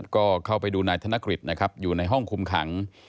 ก็เข้าไปดูนายธนกฤษนะครับอยู่ในห้องคุมขัง